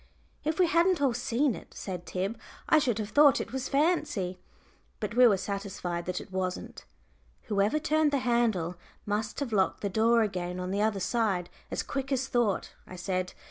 "If we hadn't all seen it," said Tib, "I should have thought it was fancy." But we were satisfied that it wasn't. "Whoever turned the handle must have locked the door again on the other side as quick as thought," I said.